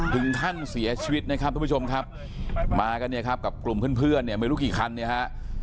ถึงขั้นเสียชีวิตนะครับทุกผู้ชมครับมากันเนี่ยครับกับกลุ่มเพื่อนเนี่ยไม่รู้กี่คันเนี่ยฮะ